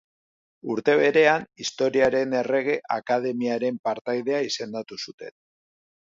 Urte berean Historiaren Errege Akademiaren partaidea izendatu zuten.